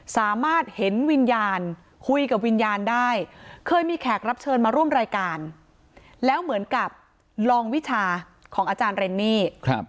สามารถเห็นวิญญาณคุยกับวิญญาณได้เคยมีแขกรับเชิญมาร่วมรายการแล้วเหมือนกับลองวิชาของอาจารย์เรนนี่